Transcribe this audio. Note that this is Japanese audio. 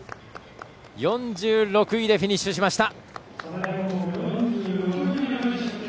４６位でフィニッシュしました。